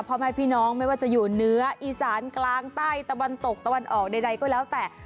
พ่อแม่พี่น้องไม่ว่าจะอยู่เหนืออีสานกลางใต้ตะวันตกตะวันออกใดก็แล้วแต่